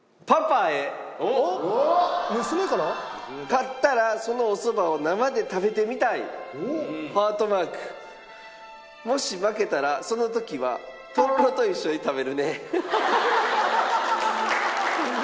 「勝ったらそのおそばを生で食べてみたい」「ハートマーク」「もし負けたらその時はとろろと一緒に食べるね」